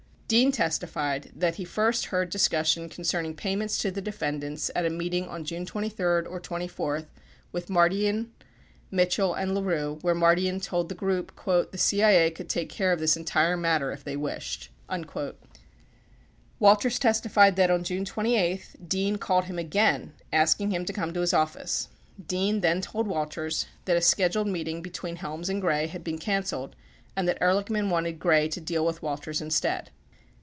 38 Dean testified that he first heard discussion concerning payments to the defendants at a meeting on June 23 or 24 with Mardian, Mitchell and LaKue where Mardian told the group "the CIA could take care of this entire matter if they wished." 39 Walters testified that, on June 28, Dean called him again, asking him to come to his office. Dean then told Walters that a scheduled meeting between Helms and Gray had been cancelled and that Ehrlich man wanted Gray to deal with Walters instead.